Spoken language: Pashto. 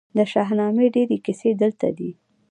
د شاهنامې ډیرې کیسې دلته دي